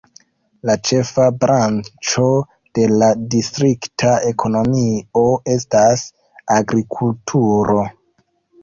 La ĉefa branĉo de la distrikta ekonomio estas agrikulturo.